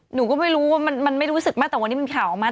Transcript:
หนูก็ไม่รู้ว่ามันไม่รู้สึกมากแต่วันนี้มีข่าวออกมา